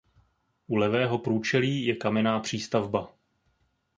U levého průčelí je kamenná přístavba.